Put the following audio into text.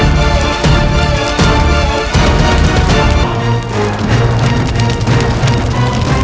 di pajajaran itu